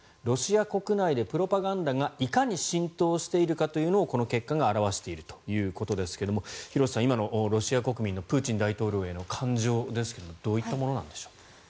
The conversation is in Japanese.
ロシア国内でプロパガンダがいかに浸透しているかというのをこの結果が表しているということですが廣瀬さん、今のロシア国民のプーチン大統領への感情ですがどういったものなんでしょう？